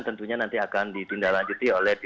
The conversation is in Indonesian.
tentunya nanti akan ditindaklanjuti oleh